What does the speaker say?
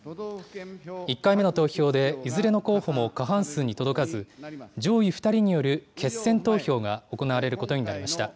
１回目の投票で、いずれの候補も過半数に届かず、上位２人による決選投票が行われることになりました。